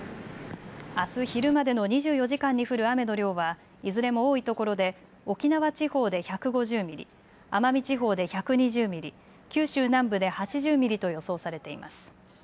あす昼までの２４時間に降る雨の量はいずれも多いところで沖縄地方で１５０ミリ、奄美地方で１２０ミリ、九州南部で８０ミリと予想されています。